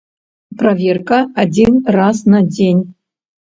Праверка адзін раз на дзень.